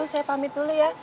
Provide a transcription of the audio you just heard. saya pamit dulu ya